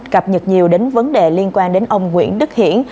cập nhật nhiều đến vấn đề liên quan đến ông nguyễn đức hiển